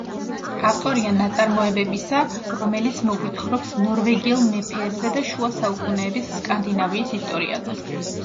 ავტორია ნაწარმოებებისა, რომელიც მოგვითხრობს ნორვეგიელ მეფეებზე და შუა საუკუნეების სკანდინავიის ისტორიაზე.